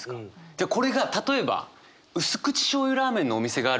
でこれが例えば「薄口しょうゆラーメンのお店があるから」